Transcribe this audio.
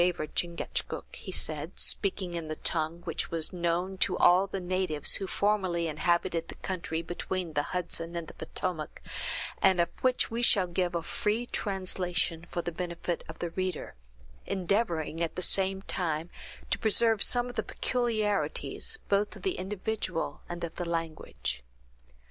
"Even your traditions make the case in my favor, Chingachgook," he said, speaking in the tongue which was known to all the natives who formerly inhabited the country between the Hudson and the Potomac, and of which we shall give a free translation for the benefit of the reader; endeavoring, at the same time, to preserve some of the peculiarities, both of the individual and of the language.